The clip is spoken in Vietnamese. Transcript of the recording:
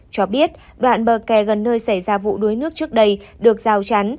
cho biết đoạn bờ kè gần nơi xảy ra vụ đuối nước trước đây được rào chắn